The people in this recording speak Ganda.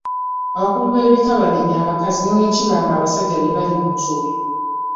Abakulu b'ebika banenya abakazi ne bwe kiba nga abasajja be bali mu nsobi.